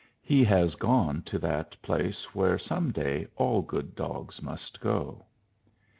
He has gone to that place where some day all good dogs must go.